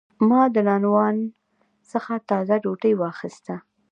ما د نانوان څخه تازه ډوډۍ واخیسته.